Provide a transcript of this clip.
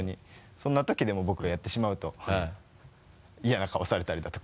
そんな時でも僕がやってしまうと嫌な顔されたりだとか。